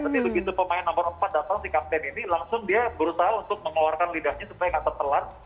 tapi begitu pemain nomor empat datang si kapten ini langsung dia berusaha untuk mengeluarkan lidahnya supaya nggak tertelan